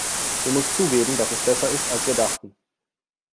Du musst zugeben, dass es besser ist, als wir dachten.